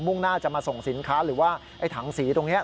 ่งหน้าจะมาส่งสินค้าหรือว่าไอ้ถังสีตรงนี้